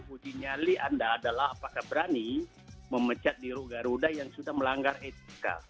uji nyali anda adalah apakah berani memecat biru garuda yang sudah melanggar etika